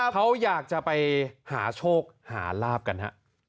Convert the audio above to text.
เขาอยากจะไปหาโชคหาลาบกันฮะ